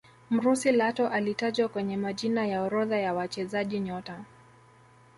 mrusi lato alitajwa kwenye majina ya orodha ya wachezaji nyota